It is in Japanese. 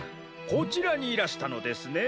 こちらにいらしたのですね？